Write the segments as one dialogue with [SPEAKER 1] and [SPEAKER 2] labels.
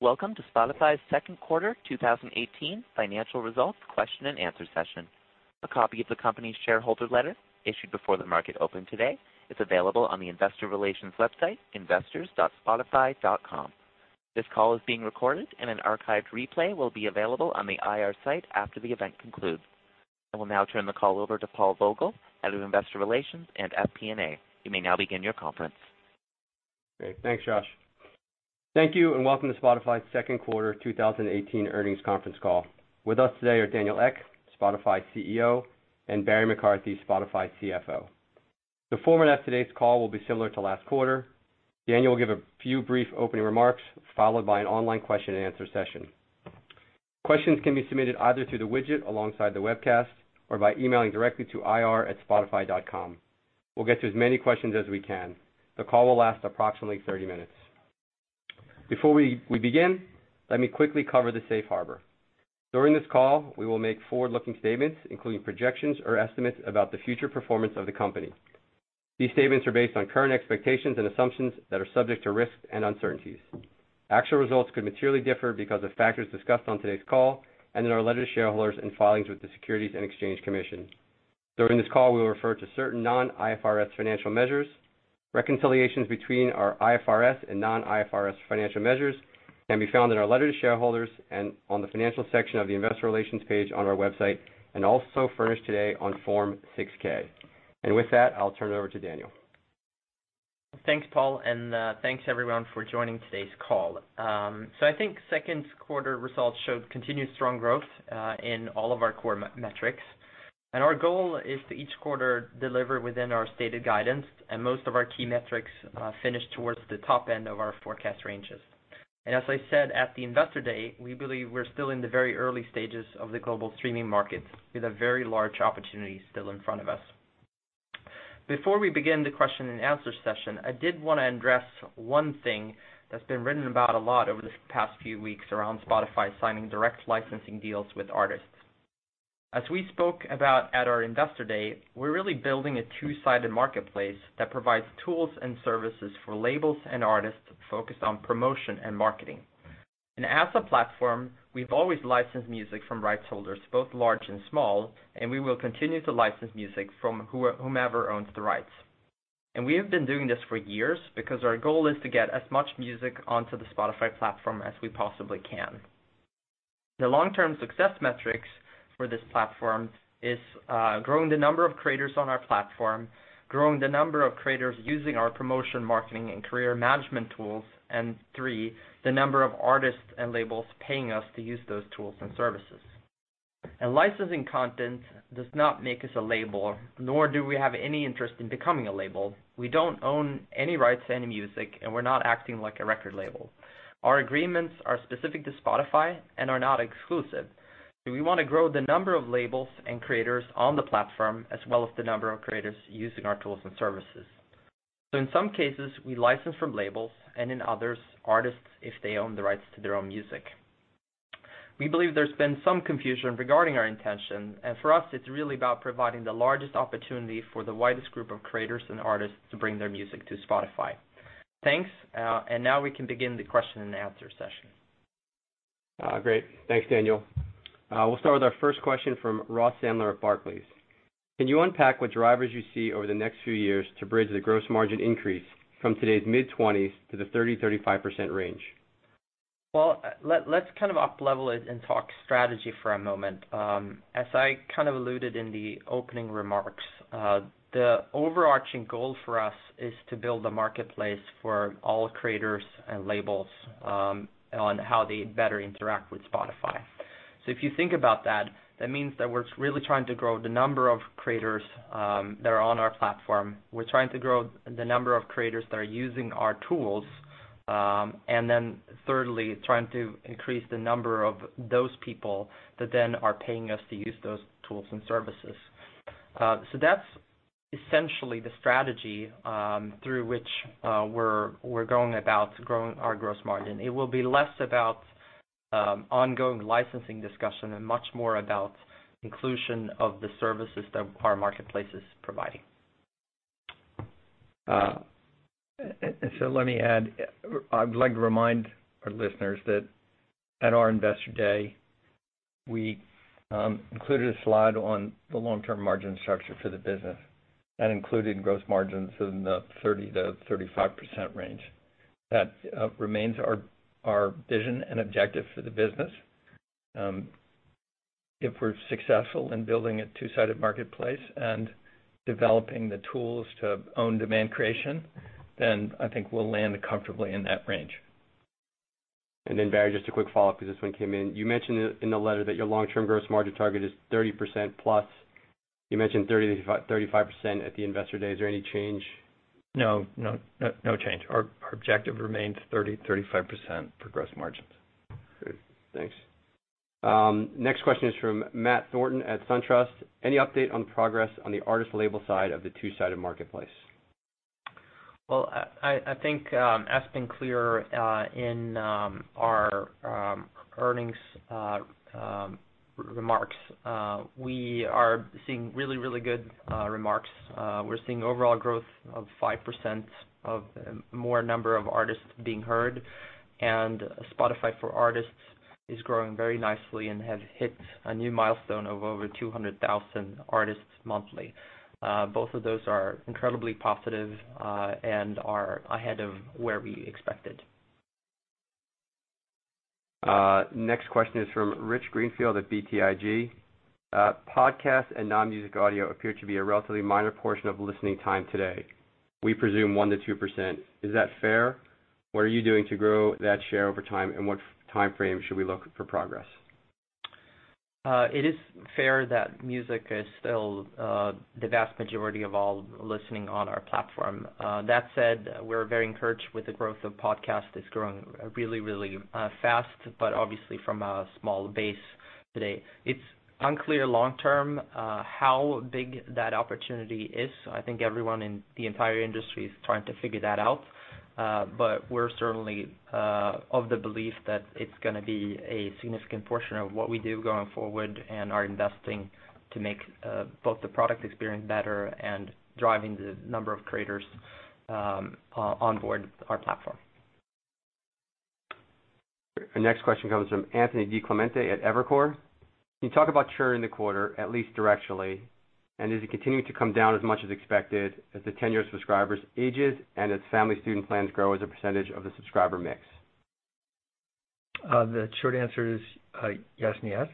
[SPEAKER 1] Welcome to Spotify's second quarter 2018 financial results question and answer session. A copy of the company's shareholder letter, issued before the market opened today, is available on the investor relations website, investors.spotify.com. This call is being recorded and an archived replay will be available on the IR site after the event concludes. I will now turn the call over to Paul Vogel, Head of Investor Relations and FP&A. You may now begin your conference.
[SPEAKER 2] Great. Thanks, Josh. Thank you. Welcome to Spotify's second quarter 2018 earnings conference call. With us today are Daniel Ek, Spotify CEO, and Barry McCarthy, Spotify CFO. The format of today's call will be similar to last quarter. Daniel will give a few brief opening remarks, followed by an online question and answer session. Questions can be submitted either through the widget alongside the webcast or by emailing directly to ir@spotify.com. We'll get to as many questions as we can. The call will last approximately 30 minutes. Before we begin, let me quickly cover the safe harbor. During this call, we will make forward-looking statements, including projections or estimates about the future performance of the company. These statements are based on current expectations and assumptions that are subject to risks and uncertainties. Actual results could materially differ because of factors discussed on today's call and in our letter to shareholders in filings with the Securities and Exchange Commission. During this call, we will refer to certain non-IFRS financial measures. Reconciliations between our IFRS and non-IFRS financial measures can be found in our letter to shareholders and on the financial section of the investor relations page on our website, and also furnished today on Form 6-K. With that, I'll turn it over to Daniel.
[SPEAKER 3] Thanks, Paul, and thanks, everyone, for joining today's call. I think second quarter results showed continued strong growth, in all of our core metrics. Our goal is to each quarter deliver within our stated guidance and most of our key metrics finish towards the top end of our forecast ranges. As I said at the Investor Day, we believe we're still in the very early stages of the global streaming market with a very large opportunity still in front of us. Before we begin the question and answer session, I did want to address one thing that's been written about a lot over this past few weeks around Spotify signing direct licensing deals with artists. As we spoke about at our Investor Day, we're really building a two-sided marketplace that provides tools and services for labels and artists focused on promotion and marketing. As a platform, we've always licensed music from rights holders, both large and small, and we will continue to license music from whomever owns the rights. We have been doing this for years because our goal is to get as much music onto the Spotify platform as we possibly can. The long-term success metrics for this platform is growing the number of creators on our platform, growing the number of creators using our promotion, marketing, and career management tools, and three, the number of artists and labels paying us to use those tools and services. Licensing content does not make us a label, nor do we have any interest in becoming a label. We don't own any rights to any music, and we're not acting like a record label. Our agreements are specific to Spotify and are not exclusive. We want to grow the number of labels and creators on the platform, as well as the number of creators using our tools and services. In some cases, we license from labels, and in others, artists if they own the rights to their own music. We believe there's been some confusion regarding our intention, and for us, it's really about providing the largest opportunity for the widest group of creators and artists to bring their music to Spotify. Thanks. Now we can begin the question and answer session.
[SPEAKER 2] Great. Thanks, Daniel. We'll start with our first question from Ross Sandler at Barclays. Can you unpack what drivers you see over the next few years to bridge the gross margin increase from today's mid-20s to the 30%-35% range?
[SPEAKER 3] Let's kind of up level it and talk strategy for a moment. As I kind of alluded in the opening remarks, the overarching goal for us is to build a marketplace for all creators and labels, on how they better interact with Spotify. If you think about that means that we're really trying to grow the number of creators that are on our platform. We're trying to grow the number of creators that are using our tools. Then thirdly, trying to increase the number of those people that then are paying us to use those tools and services. That's essentially the strategy through which we're going about growing our gross margin. It will be less about ongoing licensing discussion and much more about inclusion of the services that our marketplace is providing.
[SPEAKER 4] Let me add, I would like to remind our listeners that at our Investor Day, we included a slide on the long-term margin structure for the business. That included gross margins in the 30%-35% range. That remains our vision and objective for the business. If we're successful in building a two-sided marketplace and developing the tools to own demand creation, I think we'll land comfortably in that range.
[SPEAKER 2] Barry, just a quick follow-up because this one came in. You mentioned in the letter that your long-term gross margin target is 30% plus. You mentioned 35% at the Investor Day. Is there any change?
[SPEAKER 4] No. No change. Our objective remains 30%-35% for gross margins.
[SPEAKER 2] Great. Thanks. Next question is from Matt Thornton at SunTrust. Any update on progress on the artist label side of the two-sided marketplace?
[SPEAKER 3] Well, I think, as been clear in our earnings remarks, we are seeing really, really good remarks. We're seeing overall growth of 5% or more number of artists being heard, and Spotify for Artists is growing very nicely and has hit a new milestone of over 200,000 artists monthly. Both of those are incredibly positive and are ahead of where we expected.
[SPEAKER 2] Next question is from Rich Greenfield at BTIG. Podcast and non-music audio appear to be a relatively minor portion of listening time today. We presume 1%-2%. Is that fair? What are you doing to grow that share over time, and what timeframe should we look for progress?
[SPEAKER 3] It is fair that music is still the vast majority of all listening on our platform. That said, we're very encouraged with the growth of podcast. It's growing really, really fast, obviously from a small base today. It's unclear long term how big that opportunity is. I think everyone in the entire industry is trying to figure that out. We're certainly of the belief that it's going to be a significant portion of what we do going forward and are investing to make both the product experience better and driving the number of creators on board our platform.
[SPEAKER 2] The next question comes from Anthony DiClemente at Evercore. Can you talk about churn in the quarter, at least directionally, and is it continuing to come down as much as expected as the tenured subscribers ages and as family student plans grow as a percentage of the subscriber mix?
[SPEAKER 4] The short answer is yes and yes.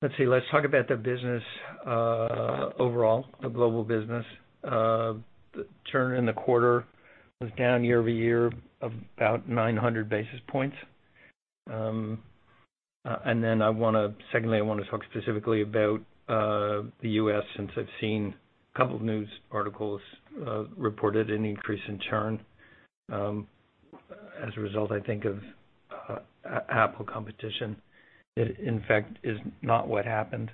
[SPEAKER 4] Let's see. Let's talk about the business overall, the global business. The churn in the quarter was down year-over-year about 900 basis points. Secondly, I want to talk specifically about the U.S. since I've seen a couple of news articles reported an increase in churn, as a result, I think of Apple competition. It, in fact, is not what happened.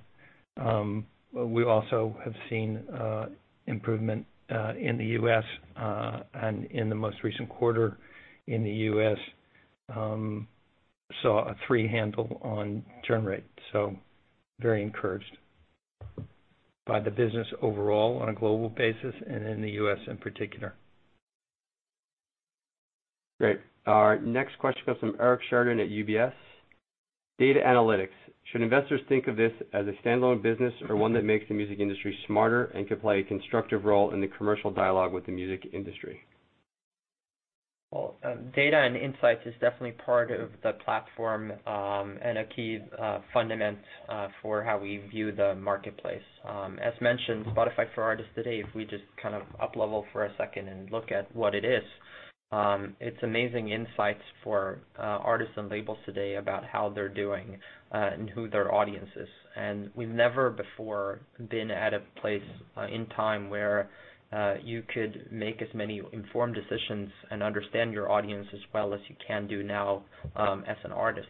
[SPEAKER 4] We also have seen improvement in the U.S. and in the most recent quarter in the U.S., saw a three handle on churn rate. Very encouraged by the business overall on a global basis and in the U.S. in particular.
[SPEAKER 2] Great. Our next question comes from Eric Sheridan at UBS. Data analytics. Should investors think of this as a standalone business or one that makes the music industry smarter and could play a constructive role in the commercial dialogue with the music industry?
[SPEAKER 3] Well, data and insights is definitely part of the platform, and a key fundament for how we view the marketplace. As mentioned, Spotify for Artists today, if we just up level for a second and look at what it is, it's amazing insights for artists and labels today about how they're doing and who their audience is. We've never before been at a place in time where you could make as many informed decisions and understand your audience as well as you can do now, as an artist.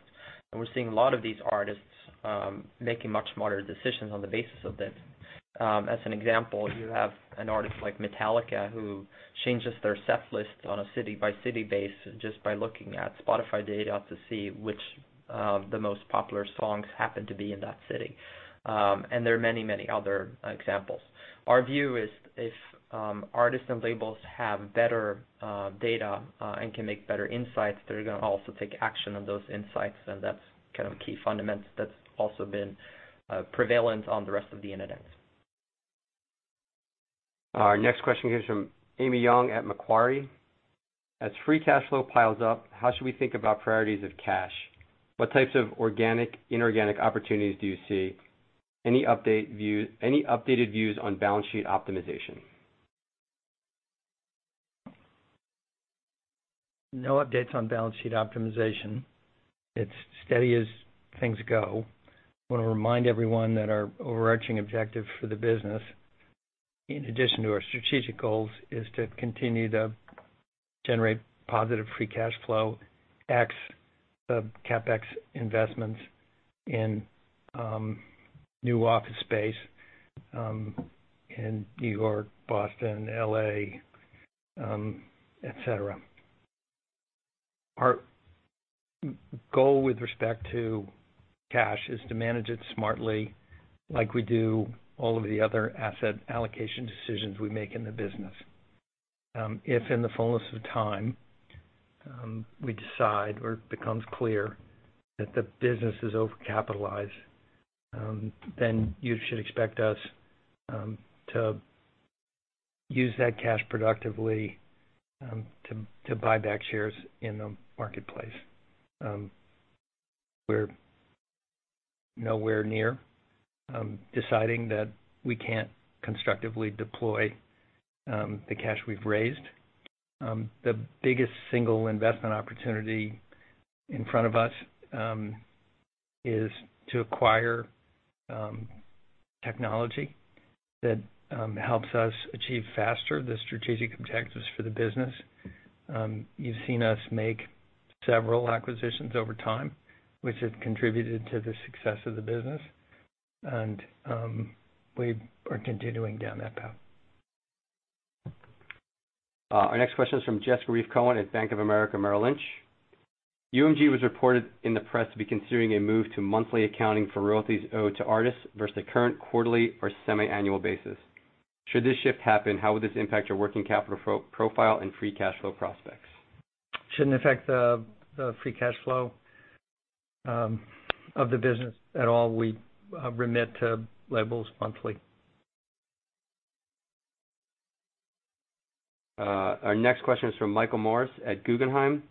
[SPEAKER 3] We're seeing a lot of these artists making much smarter decisions on the basis of this. As an example, you have an artist like Metallica who changes their setlist on a city-by-city base just by looking at Spotify data to see which of the most popular songs happen to be in that city. There are many other examples. Our view is if artists and labels have better data and can make better insights, they're going to also take action on those insights, that's key fundament that's also been prevalent on the rest of the Internet.
[SPEAKER 2] Our next question comes from Amy Yong at Macquarie. As free cash flow piles up, how should we think about priorities of cash? What types of organic, inorganic opportunities do you see? Any updated views on balance sheet optimization?
[SPEAKER 4] No updates on balance sheet optimization. It's steady as things go. Want to remind everyone that our overarching objective for the business, in addition to our strategic goals, is to continue to generate positive free cash flow, ex the CapEx investments in new office space in New York, Boston, L.A., et cetera. Our goal with respect to cash is to manage it smartly like we do all of the other asset allocation decisions we make in the business. If in the fullness of time, we decide or it becomes clear that the business is over-capitalized, you should expect us to use that cash productively to buy back shares in the marketplace. We're nowhere near deciding that we can't constructively deploy the cash we've raised. The biggest single investment opportunity in front of us is to acquire technology that helps us achieve faster the strategic objectives for the business. You've seen us make several acquisitions over time, which have contributed to the success of the business, and we are continuing down that path.
[SPEAKER 2] Our next question is from Jessica Reif Ehrlich at Bank of America Merrill Lynch. UMG was reported in the press to be considering a move to monthly accounting for royalties owed to artists versus the current quarterly or semi-annual basis. Should this shift happen, how would this impact your working capital profile and free cash flow prospects?
[SPEAKER 4] Shouldn't affect the free cash flow of the business at all. We remit to labels monthly.
[SPEAKER 2] Our next question is from Michael Morris at Guggenheim.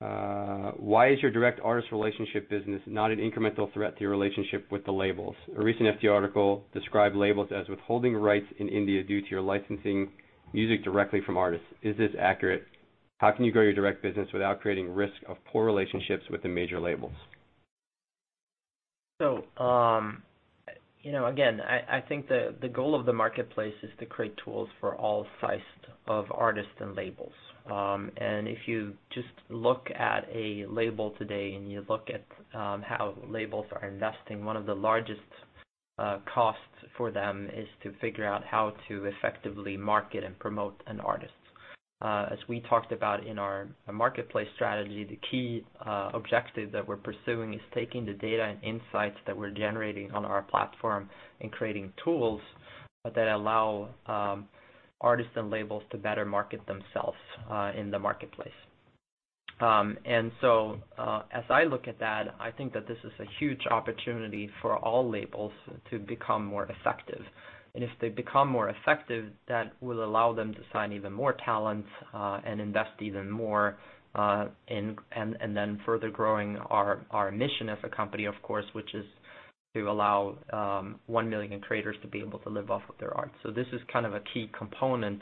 [SPEAKER 2] Why is your direct artist relationship business not an incremental threat to your relationship with the labels? A recent FT article described labels as withholding rights in India due to your licensing music directly from artists. Is this accurate? How can you grow your direct business without creating risk of poor relationships with the major labels?
[SPEAKER 3] Again, I think the goal of the marketplace is to create tools for all sizes of artists and labels. If you just look at a label today, and you look at how labels are investing, one of the largest costs for them is to figure out how to effectively market and promote an artist. As we talked about in our marketplace strategy, the key objective that we're pursuing is taking the data and insights that we're generating on our platform and creating tools that allow artists and labels to better market themselves in the marketplace. As I look at that, I think that this is a huge opportunity for all labels to become more effective. If they become more effective, that will allow them to sign even more talent, invest even more, and further growing our mission as a company, of course, which is to allow 1 million creators to be able to live off of their art. This is kind of a key component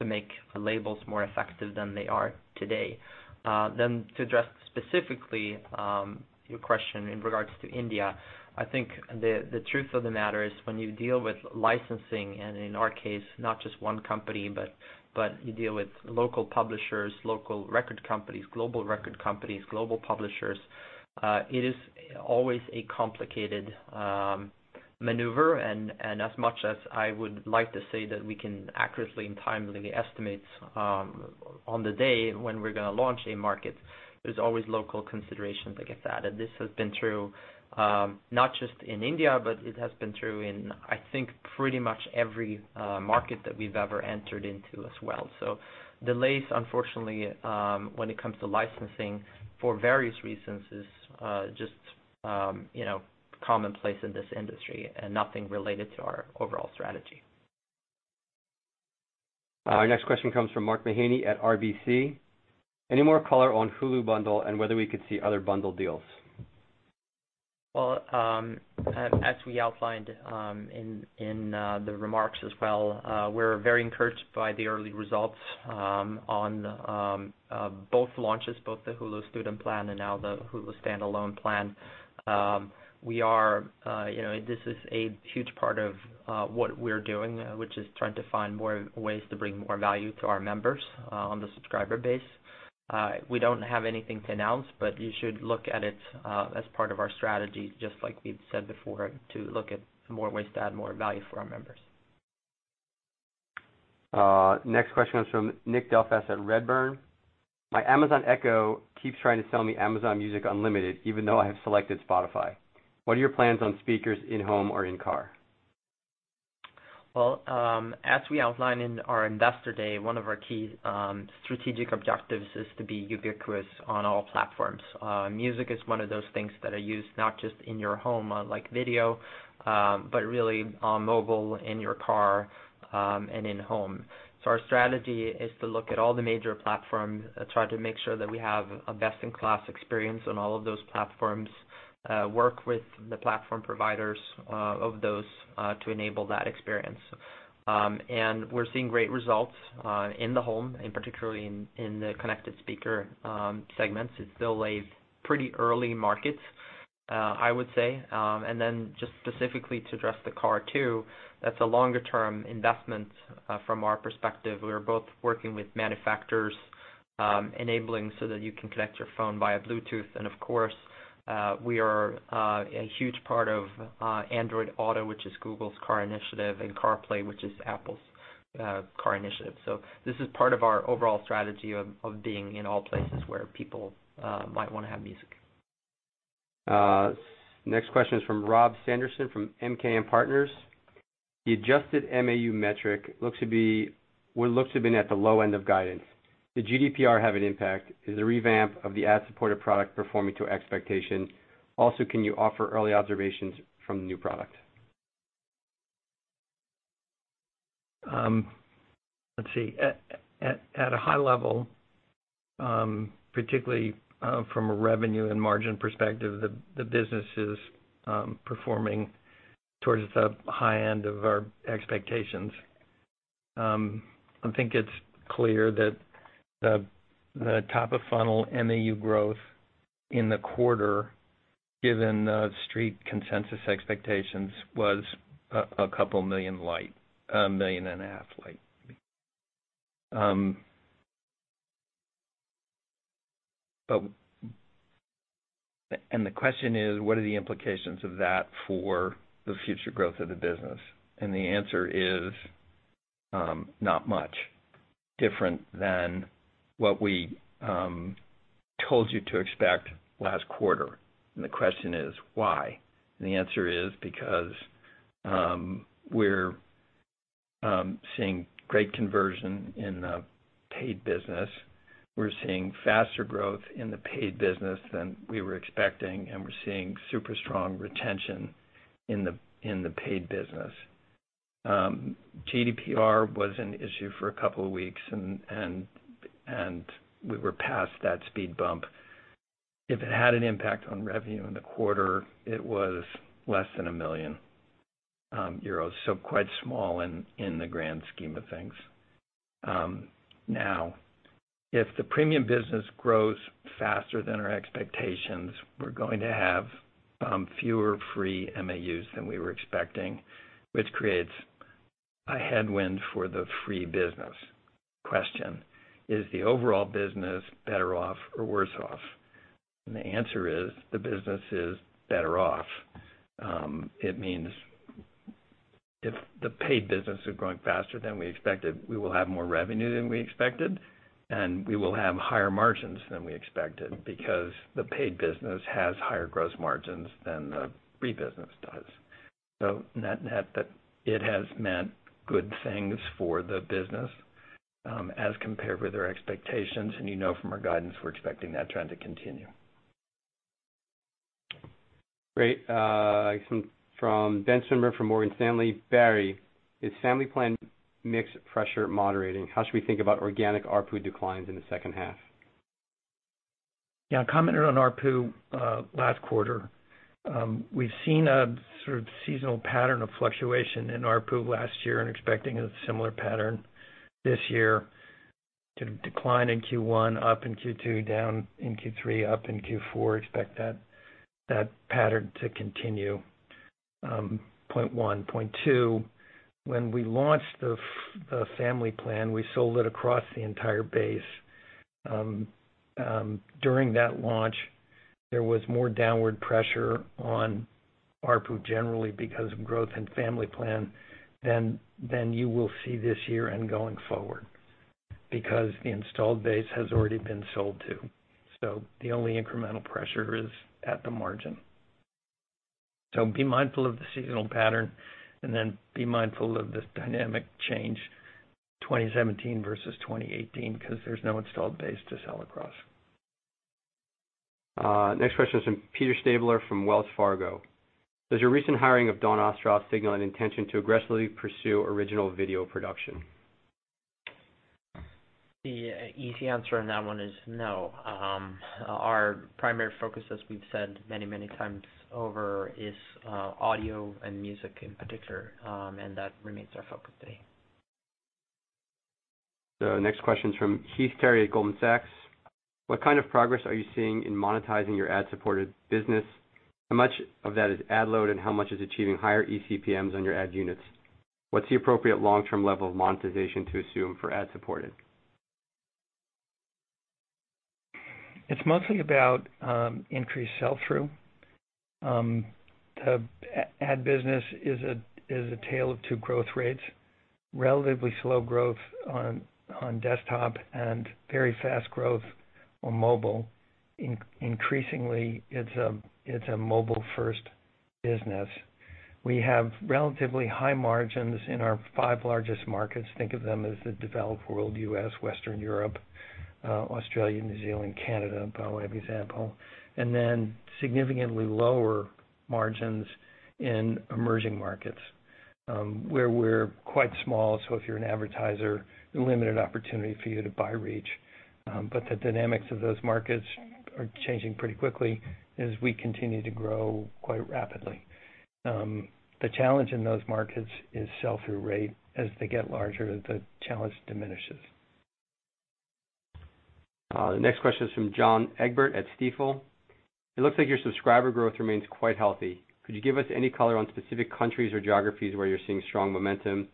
[SPEAKER 3] to make labels more effective than they are today. To address specifically your question in regards to India, I think the truth of the matter is when you deal with licensing, and in our case, not just one company, but you deal with local publishers, local record companies, global record companies, global publishers, it is always a complicated maneuver. As much as I would like to say that we can accurately and timely estimate on the day when we're going to launch a market, there's always local considerations that get added. This has been true not just in India, but it has been true in, I think, pretty much every market that we've ever entered into as well. Delays, unfortunately, when it comes to licensing for various reasons, is just commonplace in this industry and nothing related to our overall strategy.
[SPEAKER 2] Our next question comes from Mark Mahaney at RBC. Any more color on Hulu bundle and whether we could see other bundle deals?
[SPEAKER 3] Well, as we outlined in the remarks as well, we're very encouraged by the early results on both launches, both the Hulu student plan and now the Hulu standalone plan. This is a huge part of what we're doing, which is trying to find more ways to bring more value to our members on the subscriber base. We don't have anything to announce, but you should look at it as part of our strategy, just like we've said before, to look at more ways to add more value for our members.
[SPEAKER 2] Next question is from Nick Delfas at Redburn. My Amazon Echo keeps trying to sell me Amazon Music Unlimited even though I have selected Spotify. What are your plans on speakers in home or in car?
[SPEAKER 3] As we outlined in our investor day, one of our key strategic objectives is to be ubiquitous on all platforms. Music is one of those things that are used not just in your home, like video, but really on mobile, in your car, and in home. Our strategy is to look at all the major platforms, try to make sure that we have a best-in-class experience on all of those platforms, work with the platform providers of those to enable that experience. We're seeing great results in the home and particularly in the connected speaker segments. It's still a pretty early market, I would say. Just specifically to address the car too, that's a longer-term investment from our perspective. We're both working with manufacturers enabling so that you can connect your phone via Bluetooth. Of course, we are a huge part of Android Auto, which is Google's car initiative, and CarPlay, which is Apple's car initiative. This is part of our overall strategy of being in all places where people might want to have music.
[SPEAKER 2] Next question is from Rob Sanderson from MKM Partners. The adjusted MAU metric looks to have been at the low end of guidance. Did GDPR have an impact? Is the revamp of the ad-supported product performing to expectation? Also, can you offer early observations from the new product?
[SPEAKER 4] Let's see. At a high level, particularly from a revenue and margin perspective, the business is performing towards the high end of our expectations. I think it's clear that the top of funnel MAU growth in the quarter, given The Street consensus expectations, was a couple million light, a million and a half light. The question is, what are the implications of that for the future growth of the business? The answer is not much. Different than what we told you to expect last quarter. The question is, why? The answer is because we're seeing great conversion in the paid business. We're seeing faster growth in the paid business than we were expecting, and we're seeing super strong retention in the paid business. GDPR was an issue for a couple of weeks, and we were past that speed bump. If it had an impact on revenue in the quarter, it was less than 1 million euros. Quite small in the grand scheme of things. If the Premium business grows faster than our expectations, we're going to have fewer free MAUs than we were expecting, which creates a headwind for the free business. Question: Is the overall business better off or worse off? The answer is the business is better off. It means if the paid business is growing faster than we expected, we will have more revenue than we expected, and we will have higher margins than we expected because the paid business has higher gross margins than the free business does. Net-net, it has meant good things for the business, as compared with our expectations. You know from our guidance we're expecting that trend to continue.
[SPEAKER 2] Great. From Ben Swinburne from Morgan Stanley. Barry, is Premium Family mix pressure moderating? How should we think about organic ARPU declines in the second half?
[SPEAKER 4] I commented on ARPU last quarter. We've seen a sort of seasonal pattern of fluctuation in ARPU last year and expecting a similar pattern this year. Decline in Q1, up in Q2, down in Q3, up in Q4. Expect that pattern to continue. Point 1. Point 2, when we launched the Premium Family, we sold it across the entire base. During that launch, there was more downward pressure on ARPU generally because of growth in Premium Family than you will see this year and going forward, because the installed base has already been sold to. The only incremental pressure is at the margin. Be mindful of the seasonal pattern, and then be mindful of the dynamic change 2017 versus 2018 because there's no installed base to sell across.
[SPEAKER 2] Next question is from Peter Stabler from Wells Fargo. Does your recent hiring of Dawn Ostroff signal an intention to aggressively pursue original video production?
[SPEAKER 3] The easy answer on that one is no. Our primary focus, as we've said many times over, is audio and music in particular. That remains our focus today.
[SPEAKER 2] The next question's from Heath Terry at Goldman Sachs. What kind of progress are you seeing in monetizing your ad-supported business? How much of that is ad load, and how much is achieving higher eCPMs on your ad units? What's the appropriate long-term level of monetization to assume for ad-supported?
[SPEAKER 4] It's mostly about increased sell-through. The ad business is a tale of two growth rates. Relatively slow growth on desktop and very fast growth on mobile. Increasingly, it's a mobile-first business. We have relatively high margins in our five largest markets. Think of them as the developed world: U.S., Western Europe, Australia, New Zealand, Canada, by way of example. Then significantly lower margins in emerging markets. Where we're quite small, so if you're an advertiser, a limited opportunity for you to buy reach. The dynamics of those markets are changing pretty quickly as we continue to grow quite rapidly. The challenge in those markets is sell-through rate. As they get larger, the challenge diminishes.
[SPEAKER 2] The next question is from John Egbert at Stifel. It looks like your subscriber growth remains quite healthy. Could you give us any color on specific countries or geographies where you're seeing strong momentum?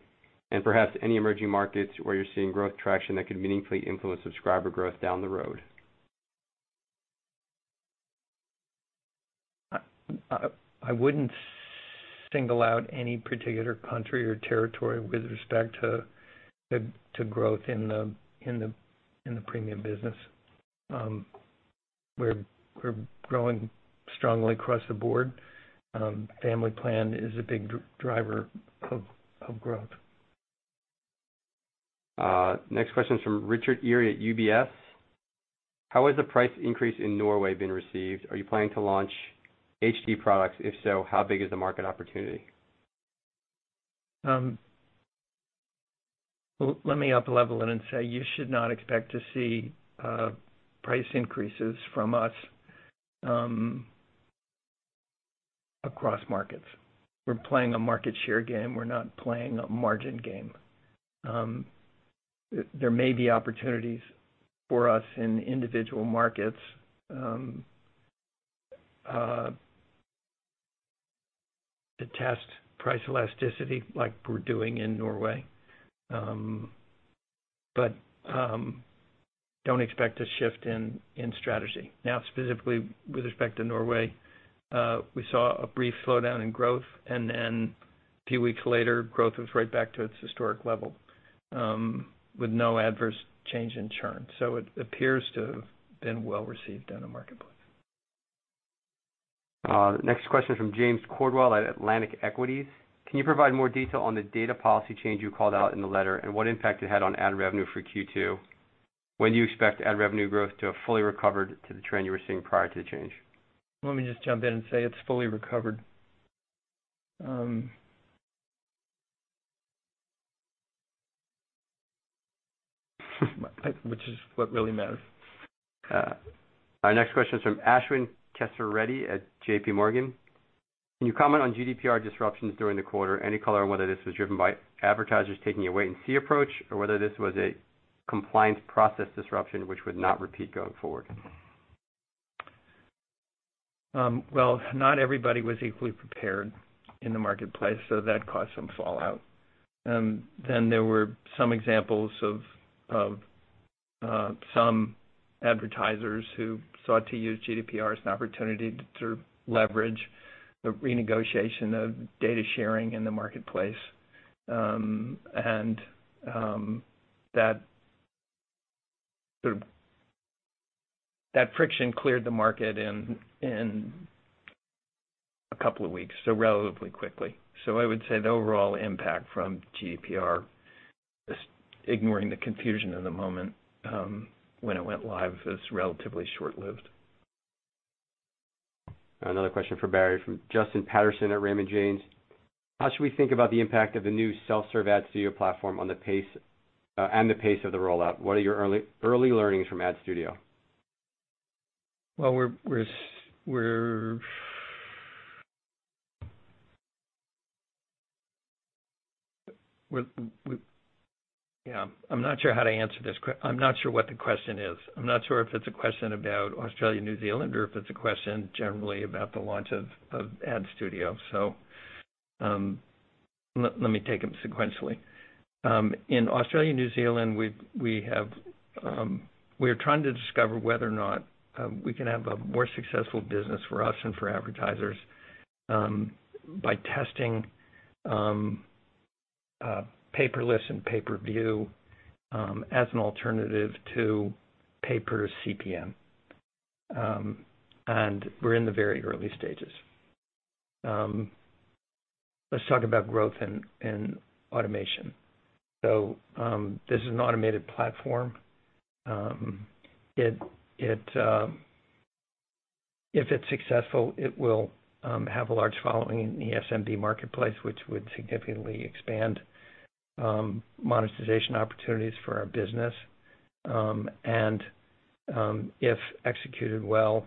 [SPEAKER 2] Perhaps any emerging markets where you're seeing growth traction that could meaningfully influence subscriber growth down the road?
[SPEAKER 4] I wouldn't single out any particular country or territory with respect to growth in the premium business. We're growing strongly across the board. Premium Family is a big driver of growth.
[SPEAKER 2] Next question is from Eric Sheridan at UBS. How has the price increase in Norway been received? Are you planning to launch HD products? If so, how big is the market opportunity?
[SPEAKER 4] Let me up level it and say you should not expect to see price increases from us across markets. We're playing a market share game. We're not playing a margin game. There may be opportunities for us in individual markets to test price elasticity like we're doing in Norway. Don't expect a shift in strategy. Specifically with respect to Norway, we saw a brief slowdown in growth, and then a few weeks later, growth was right back to its historic level with no adverse change in churn. It appears to have been well-received in the marketplace.
[SPEAKER 2] Next question from James Cordwell at Atlantic Equities. Can you provide more detail on the data policy change you called out in the letter, and what impact it had on ad revenue for Q2? When do you expect ad revenue growth to have fully recovered to the trend you were seeing prior to the change?
[SPEAKER 4] Let me just jump in and say it's fully recovered, which is what really matters.
[SPEAKER 2] Our next question is from Ashwin Kesireddy at J.P. Morgan. Can you comment on GDPR disruptions during the quarter? Any color on whether this was driven by advertisers taking a wait-and-see approach, or whether this was a compliance process disruption which would not repeat going forward?
[SPEAKER 4] Well, not everybody was equally prepared in the marketplace, that caused some fallout. There were some examples of some advertisers who sought to use GDPR as an opportunity to leverage the renegotiation of data sharing in the marketplace. That friction cleared the market in a couple of weeks, relatively quickly. I would say the overall impact from GDPR, just ignoring the confusion in the moment when it went live, is relatively short-lived.
[SPEAKER 2] Another question for Barry from Justin Patterson at Raymond James. How should we think about the impact of the new self-serve Ad Studio platform and the pace of the rollout? What are your early learnings from Ad Studio?
[SPEAKER 4] Well, I'm not sure how to answer this. I'm not sure what the question is. I'm not sure if it's a question about Australia and New Zealand or if it's a question generally about the launch of Ad Studio. Let me take them sequentially. In Australia and New Zealand, we are trying to discover whether or not we can have a more successful business for us and for advertisers by testing pay per listen, pay per view, as an alternative to pay per CPM. We're in the very early stages. Let's talk about growth in automation. This is an automated platform. If it's successful, it will have a large following in the SMB marketplace, which would significantly expand monetization opportunities for our business. If executed well,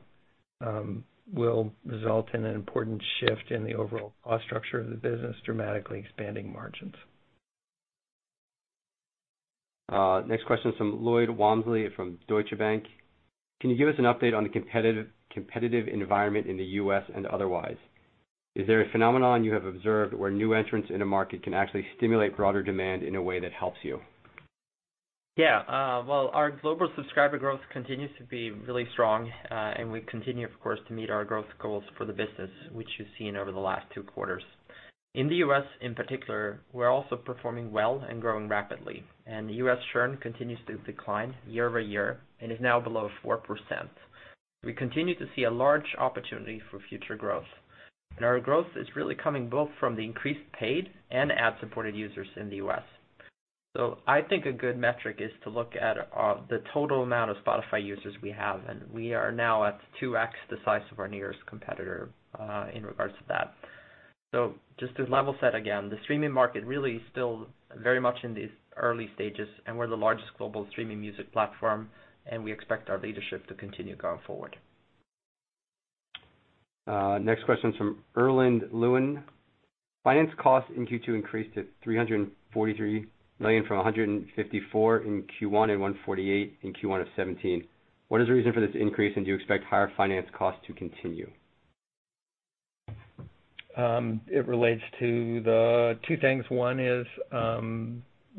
[SPEAKER 4] will result in an important shift in the overall cost structure of the business, dramatically expanding margins.
[SPEAKER 2] Next question is from Lloyd Walmsley from Deutsche Bank. Can you give us an update on the competitive environment in the U.S. and otherwise? Is there a phenomenon you have observed where new entrants in a market can actually stimulate broader demand in a way that helps you?
[SPEAKER 3] Yeah. Well, our global subscriber growth continues to be really strong. We continue, of course, to meet our growth goals for the business, which you've seen over the last two quarters. In the U.S., in particular, we're also performing well and growing rapidly, and U.S. churn continues to decline year-over-year and is now below 4%. We continue to see a large opportunity for future growth. Our growth is really coming both from the increased paid and ad-supported users in the U.S. I think a good metric is to look at the total amount of Spotify users we have, and we are now at 2x the size of our nearest competitor in regards to that. Just to level set again, the streaming market really is still very much in its early stages and we're the largest global streaming music platform, and we expect our leadership to continue going forward.
[SPEAKER 2] Next question is from Erland Lewin. Finance costs in Q2 increased to EUR 343 million from EUR 154 in Q1, and EUR 148 in Q1 of 2017. What is the reason for this increase, and do you expect higher finance costs to continue?
[SPEAKER 4] It relates to the two things. One is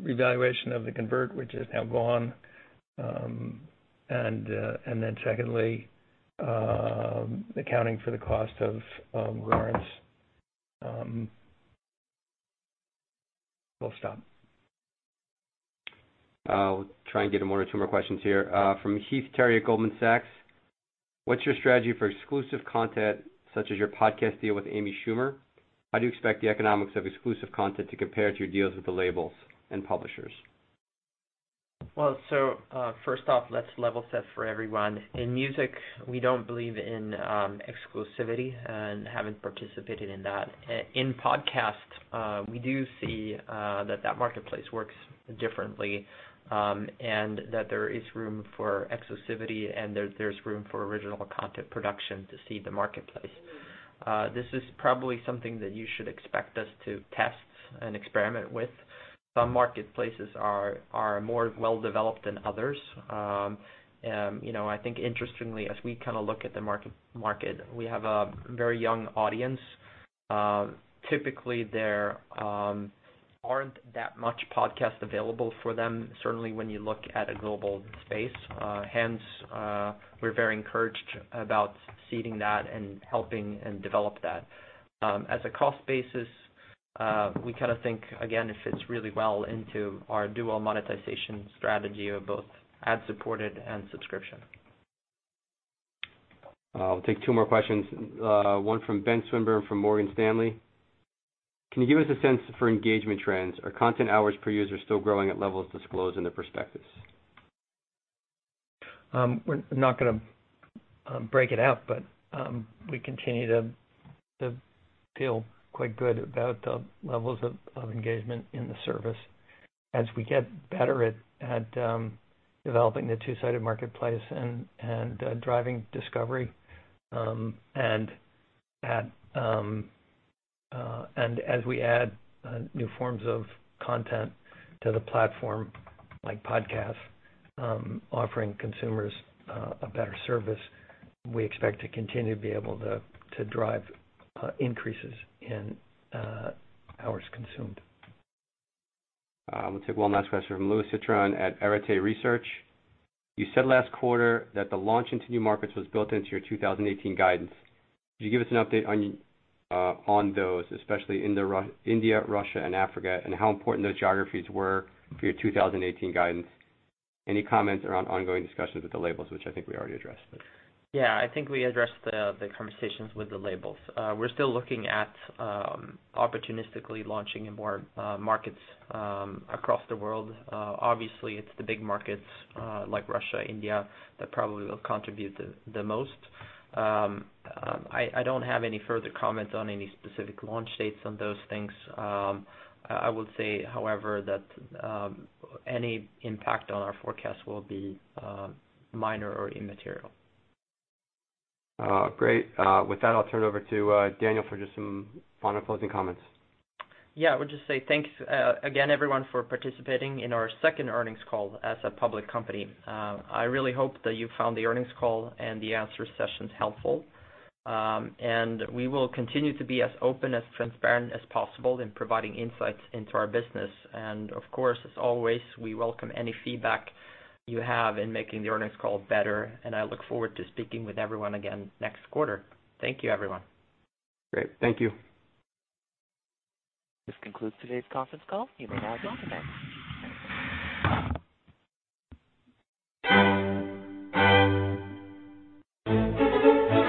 [SPEAKER 4] revaluation of the convert, which is now gone. Secondly, accounting for the cost of warrants. We'll stop.
[SPEAKER 2] I'll try and get one or two more questions here. From Heath Terry at Goldman Sachs. What's your strategy for exclusive content, such as your podcast deal with Amy Schumer? How do you expect the economics of exclusive content to compare to your deals with the labels and publishers?
[SPEAKER 3] Well, first off, let's level set for everyone. In music, we don't believe in exclusivity and haven't participated in that. In podcasts, we do see that that marketplace works differently, and that there is room for exclusivity and there's room for original content production to seed the marketplace. This is probably something that you should expect us to test and experiment with. Some marketplaces are more well-developed than others. I think interestingly, as we kind of look at the market, we have a very young audience. Typically, there aren't that much podcasts available for them, certainly when you look at a global space. Hence, we're very encouraged about seeding that and helping and develop that. As a cost basis, we think, again, it fits really well into our dual monetization strategy of both ad-supported and subscription.
[SPEAKER 2] I'll take 2 more questions. One from Ben Swinburne from Morgan Stanley. Can you give us a sense for engagement trends? Are content hours per user still growing at levels disclosed in the prospectus?
[SPEAKER 4] We're not going to break it out, but we continue to feel quite good about the levels of engagement in the service. As we get better at developing the two-sided marketplace and driving discovery, and as we add new forms of content to the platform, like podcasts, offering consumers a better service, we expect to continue to be able to drive increases in hours consumed.
[SPEAKER 2] I'll take 1 last question from Louis Citron at Arete Research. You said last quarter that the launch into new markets was built into your 2018 guidance. Could you give us an update on those, especially India, Russia, and Africa, and how important those geographies were for your 2018 guidance? Any comments around ongoing discussions with the labels? Which I think we already addressed.
[SPEAKER 3] Yeah. I think we addressed the conversations with the labels. We're still looking at opportunistically launching in more markets across the world. Obviously, it's the big markets, like Russia, India, that probably will contribute the most. I don't have any further comments on any specific launch dates on those things. I would say, however, that any impact on our forecast will be minor or immaterial.
[SPEAKER 2] Great. With that, I'll turn it over to Daniel for just some final closing comments.
[SPEAKER 3] Yeah. I would just say thanks again, everyone, for participating in our second earnings call as a public company. I really hope that you found the earnings call and the answer sessions helpful. We will continue to be as open, as transparent as possible in providing insights into our business. Of course, as always, we welcome any feedback you have in making the earnings call better, and I look forward to speaking with everyone again next quarter. Thank you, everyone.
[SPEAKER 2] Great. Thank you.
[SPEAKER 1] This concludes today's conference call. You may now disconnect.